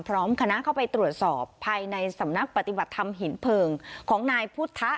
พร้อมคณะเข้าไปตรวจสอบภายในสำนักปฏิบัติธรรมหินเพลิงของนายพุทธะ